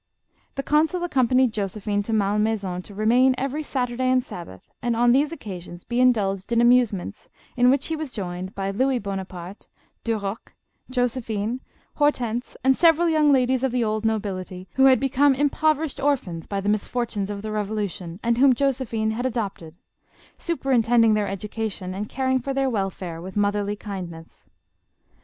The consul accompanied Josephine to Malmaisori to remain every Saturday and Sabbath, and on these oc casions he indulged in amusements, in which he was joined by Louis Bonaparte, Duroc, Josephine, Hor tense, and several young ladies of the old nobility who had become impoverished orphans by the misfortunes of the Revolution, and whom Josephine had adopted ; superintending their education and caring for their welfare with motherly kindness.